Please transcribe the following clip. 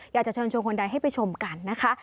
อยากจะเชิญชวนคนใดให้ไปชมกันนะคะ